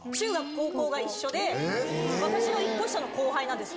私の１コ下の後輩なんです。